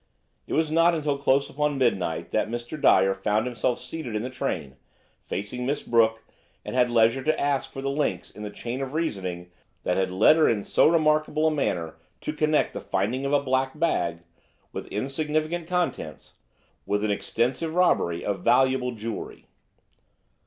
It was not until close upon midnight that Mr. Dyer found himself seated in the train, facing Miss Brooke, and had leisure to ask for the links in the chain of reasoning that had led her in so remarkable a manner to connect the finding of a black bag, with insignificant contents, with an extensive robbery of valuable jewellery.